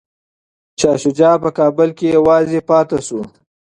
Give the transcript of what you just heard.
شاه شجاع په کابل کي یوازې پاتې شو.